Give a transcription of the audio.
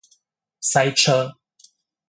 塞車